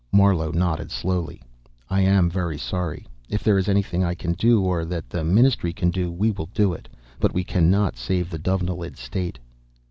Marlowe nodded slowly. "I am very sorry. If there is anything I can do, or that the Ministry can do, we will do it. But we cannot save the Dovenilid state."